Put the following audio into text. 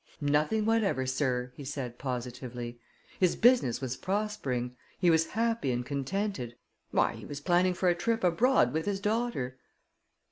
"Nothing whatever, sir," he said positively. "His business was prospering; he was happy and contented why, he was planning for a trip abroad with his daughter."